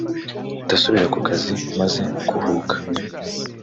ndasubira ku kazi maze kuhuka